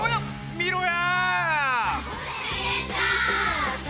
見ろや！